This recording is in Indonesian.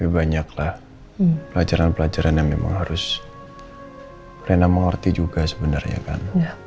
banyaklah pelajaran pelajaran yang memang harus rena mengerti juga sebenarnya kan